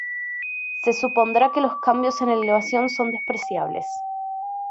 Se supondrá que los cambios en elevación son despreciables.